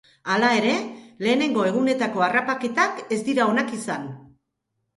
Hala ere, lehenengo egunetako harrapaketak ez dira onak izan.